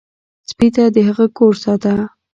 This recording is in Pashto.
سپي د هغه کور ساته.